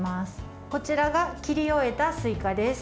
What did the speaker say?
こちらが切り終えたすいかです。